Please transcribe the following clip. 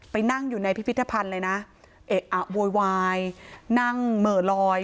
นั่งอยู่ในพิพิธภัณฑ์เลยนะเอะอะโวยวายนั่งเหม่อลอย